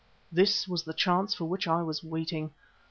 This was the chance for which I was waiting.